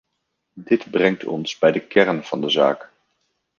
Dit brengt ons bij de kern van de zaak.